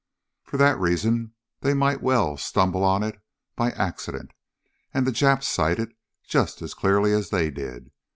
For that reason they might well stumble on it by accident and the Japs sight it just as clearly as they did.